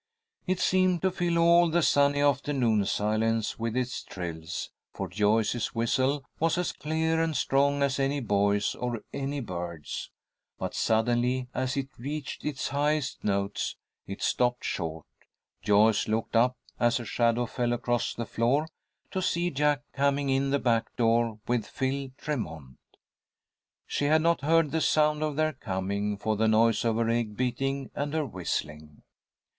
It seemed to fill all the sunny afternoon silence with its trills, for Joyce's whistle was as clear and strong as any boy's or any bird's. But suddenly, as it reached its highest notes, it stopped short. Joyce looked up as a shadow fell across the floor, to see Jack coming in the back door with Phil Tremont. She had not heard the sound of their coming, for the noise of her egg beating and her whistling.